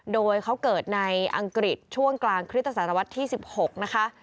โดยเขาเกิดในอังกฤษช่วงกลางคริสตศตวรรษที่๑๖นะคะ